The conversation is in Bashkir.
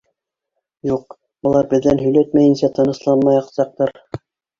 Юҡ, былар беҙҙән һөйләтмәйенсә тынысланмаясаҡтар.